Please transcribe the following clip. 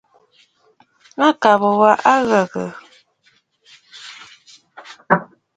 Mâkàbə̀ wa a ghə̀gə̀.